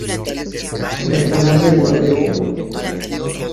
Desconoce el don de Tru.